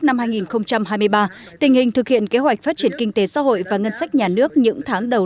năm hai nghìn hai mươi ba tình hình thực hiện kế hoạch phát triển kinh tế xã hội và ngân sách nhà nước những tháng đầu